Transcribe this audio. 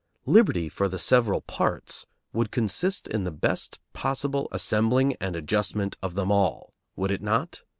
Liberty for the several parts would consist in the best possible assembling and adjustment of them all, would it not?